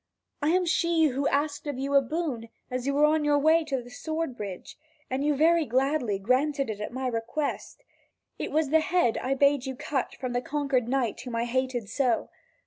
I am she who asked of you a boon as you were on your way to the sword bridge, and you very gladly granted it at my request; it was the head I bade you cut from the conquered knight whom I hated so.